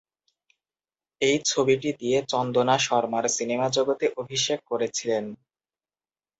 এই ছবিটি দিয়ে চন্দনা শর্মার সিনেমা জগতে অভিষেক করেছিলেন।